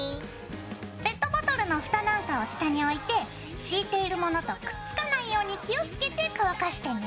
ペットボトルの蓋なんかを下に置いて敷いている物とくっつかないように気を付けて乾かしてね。